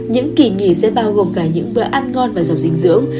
những kỳ nghỉ sẽ bao gồm cả những bữa ăn ngon và giàu dinh dưỡng